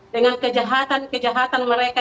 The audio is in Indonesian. dengan kejahatan kejahatan mereka